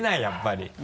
やっぱり。